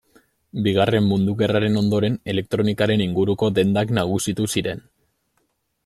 Bigarren Mundu Gerraren ondoren elektronikaren inguruko dendak nagusitu ziren.